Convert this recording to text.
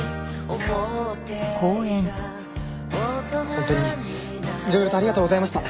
本当にいろいろとありがとうございました。